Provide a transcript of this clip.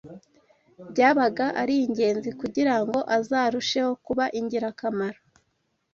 byabaga ari ingenzi kugira ngo azarusheho kuba ingirakamaro